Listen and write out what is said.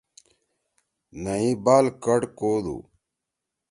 نئیی بال کٹ کودُو۔